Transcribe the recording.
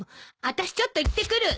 あたしちょっと行ってくる。